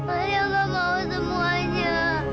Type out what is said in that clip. alia nggak mau semuanya